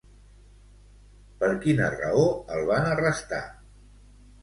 Per quina raó el van arrestar?